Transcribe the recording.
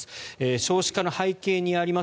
少子化の背景にあります